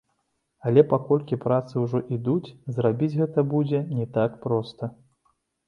Але паколькі працы ўжо ідуць, зрабіць гэта будзе не так проста.